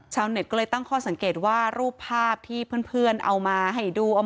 ชาวเน็ตก็เลยตั้งข้อสังเกตว่ารูปภาพที่เพื่อนเอามาให้ดู